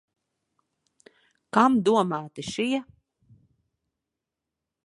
Kam domāti šie?